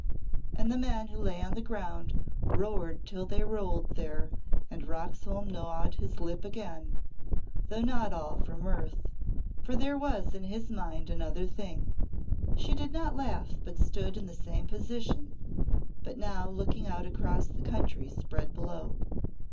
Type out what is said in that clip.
And the men who lay on the ground roared till they rolled there, and Roxholm gnawed his lip again, though not all from mirth, for there was in his mind another thing. She did not laugh but stood in the same position, but now looking out across the country spread below.